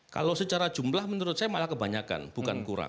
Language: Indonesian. kalau secara jumlah menurut saya malah kebanyakan bukan kurang